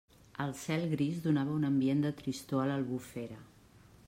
El cel gris donava un ambient de tristor a l'Albufera.